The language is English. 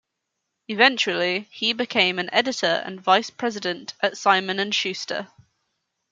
Eventually he became an editor and vice-president at Simon and Schuster.